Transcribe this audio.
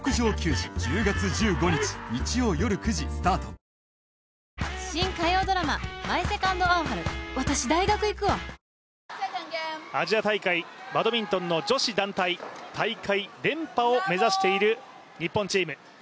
一緒にケアできるなら歯ぐき含めてアジア大会バドミントンの女子団体大会連覇を目指している日本チーム。